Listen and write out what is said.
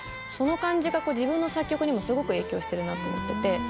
その感じが自分の作曲にもすごく影響してると思ってて。